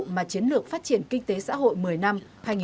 mà chiến lược phát triển kinh tế xã hội một mươi năm